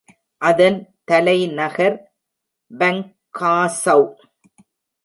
அதன் தலைநகர் பங்காசௌ.